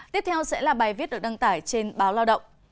tiếp theo sẽ là bài viết được đăng tải trên báo lao động